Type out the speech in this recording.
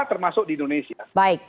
termasuk di indonesia